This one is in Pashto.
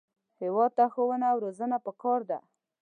هېواد ته ښوونه او روزنه پکار ده